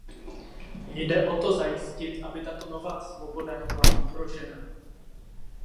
Jde o to zajistit, aby tato nová svoboda nebyla ohrožena.